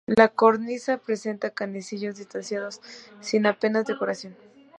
La cornisa presenta canecillos distanciados sin apenas decoración.